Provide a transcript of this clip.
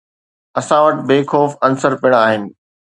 اسان وٽ بي خوف عنصر پڻ آهن.